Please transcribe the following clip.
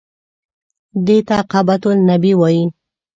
دې ته قبة النبي وایي.